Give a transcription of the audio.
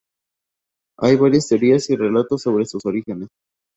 Hay varias teorías y relatos sobre sus orígenes.